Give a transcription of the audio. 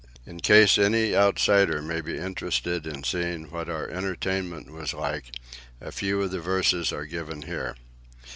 In case any outsider may be interested in seeing what our entertainment was like, a few of the verses are given here.